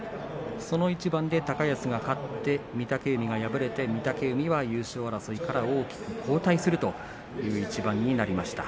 その一番で高安が勝って御嶽海が敗れて御嶽海は優勝争いから大きく後退するという一番になりました。